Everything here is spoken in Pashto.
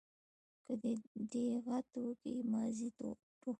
که دي دېغت وکئ ماضي ټوخه.